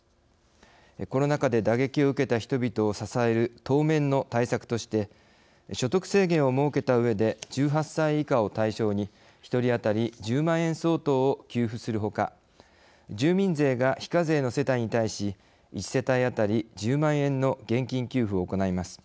コロナ禍で打撃を受けた人々を支える当面の対策として所得制限を設けたうえで１８歳以下を対象に１人当たり１０万円相当を給付するほか住民税が非課税の世帯に対し１世帯当たり１０万円の現金給付を行います。